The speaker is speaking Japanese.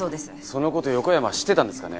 その事横山は知ってたんですかね？